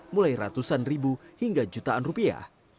mulai ratusan ribu hingga jutaan rupiah